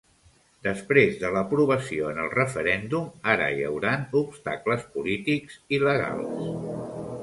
Després de l'aprovació en el referèndum, ara hi hauran obstacles polítics i legals.